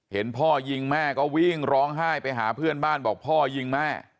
เห็นพ่อยิงแม่ก็วิ่งร้องไห้ไปหาเพื่อนบ้านบอกพ่อยิงแม่